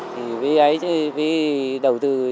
thì vì ấy chứ vì đầu tư